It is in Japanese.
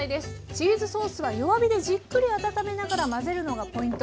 チーズソースは弱火でじっくり温めながら混ぜるのがポイント。